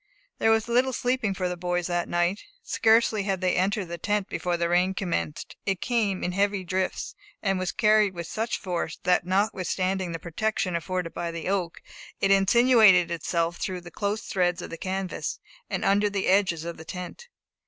There was little sleeping for the boys that night. Scarcely had they entered the tent before the rain commenced. It came in heavy drifts, and was carried with such force that, notwithstanding the protection afforded by the oak, it insinuated itself through the close threads of the canvas, and under the edges of the tent.